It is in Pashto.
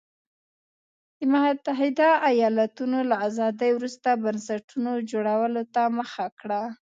د متحده ایالتونو له ازادۍ وروسته بنسټونو جوړولو ته مخه کړه.